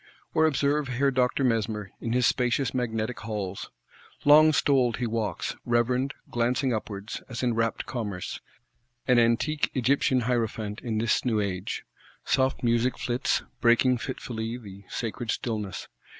Or observe Herr Doctor Mesmer, in his spacious Magnetic Halls. Long stoled he walks; reverend, glancing upwards, as in rapt commerce; an Antique Egyptian Hierophant in this new age. Soft music flits; breaking fitfully the sacred stillness.